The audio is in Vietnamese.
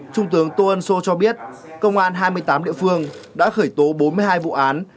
trung tướng tô ân sô cho biết công an hai mươi tám địa phương đã khởi tố bốn mươi hai vụ án